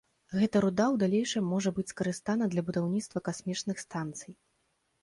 Гэта руда ў далейшым можа быць скарыстана для будаўніцтва касмічных станцый.